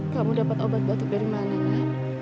kamu dapat obat obat dari mana nek